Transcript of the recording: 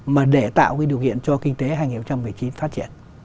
mà để tạo cái điều kiện cho kinh tế hai nghìn một mươi chín phát triển